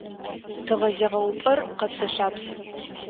Тыгъэзегъэупӏэр къэбзэ-лъабз.